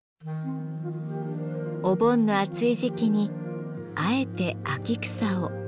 お盆の暑い時期にあえて秋草を。